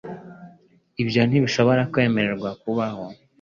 Ibyo ntibishobora kwemererwa kongera kubaho.